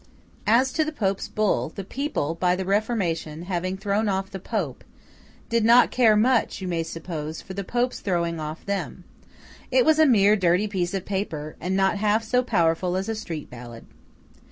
As to the Pope's bull, the people by the reformation having thrown off the Pope, did not care much, you may suppose, for the Pope's throwing off them. It was a mere dirty piece of paper, and not half so powerful as a street ballad.